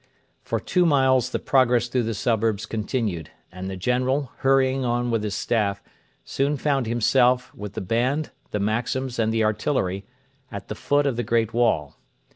For two miles the progress through the suburbs continued, and the General, hurrying on with his Staff, soon found himself, with the band, the Maxims, and the artillery, at the foot of the great wall.